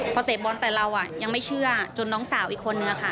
พอเตะบอลแต่เรายังไม่เชื่อจนน้องสาวอีกคนนึงค่ะ